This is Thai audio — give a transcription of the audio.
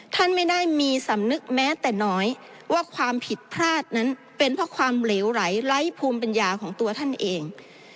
ท่านไม่ได้มีสำนึกแม้แต่น้อยว่าความผิดพลาดนั้นเป็นเพราะความเหลวไหลไร้ภูมิปัญญาของตัวท่านเอง